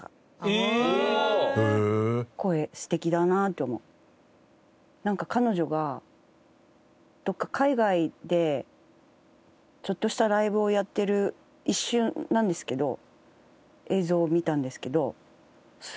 「ええー！」なんか彼女がどこか海外でちょっとしたライヴをやってる一瞬なんですけど映像を見たんですけど。